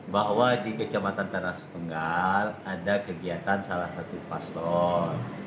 bahwa di kecamatan tanah sepenggal ada kegiatan salah satu paslon